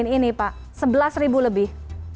ini pak sebelas ribu lebih